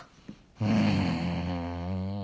うん。